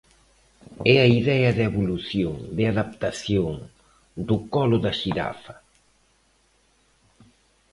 É a idea de evolución, de adaptación, do colo da xirafa.